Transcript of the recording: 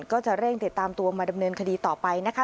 ก็จะเร่งติดตามตัวมาดำเนินคดีต่อไปนะคะ